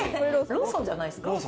ローソンじゃないですか？